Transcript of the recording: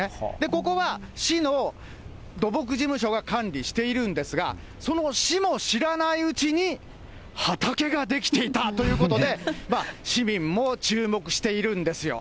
ここは市の土木事務所が管理しているんですが、その市も知らないうちに、畑が出来ていたということで、市民も注目しているんですよ。